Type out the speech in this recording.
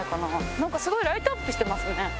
なんかすごいライトアップしてますね。